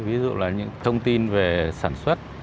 ví dụ là những thông tin về sản xuất